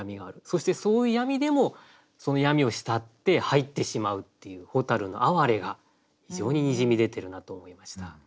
そしてそういう闇でもその闇を慕って入ってしまうっていう蛍のあわれが非常ににじみ出てるなと思いました。